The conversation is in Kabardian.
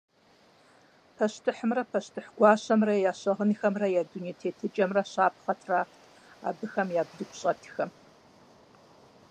Пащтыхьымрэ пащтыхь гуащэмрэ я щыгъынхэмрэ я дуней тетыкӀэмрэ щапхъэ трахырт абыхэм я блыгущӀэтхэм.